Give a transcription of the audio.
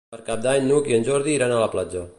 Per Cap d'Any n'Hug i en Jordi iran a la platja.